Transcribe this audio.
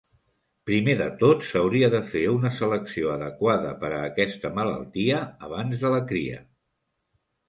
Primer de tot s"hauria de fer una selecció adequada per a aquesta malaltia, abans de la cria.